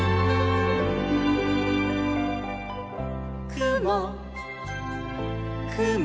「くもくも」